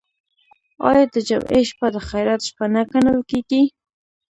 آیا د جمعې شپه د خیرات شپه نه ګڼل کیږي؟